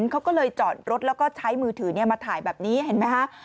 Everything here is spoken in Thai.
เขาก็เลยจอดรถแล้วก็ใช้มือถือมาถ่ายแบบนี้เห็นไหมฮะ